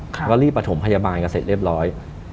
ก็รีบประถมพยาบาลกันเสร็จเรียบร้อย